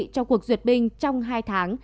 cho cuộc ruột bình trong hai tháng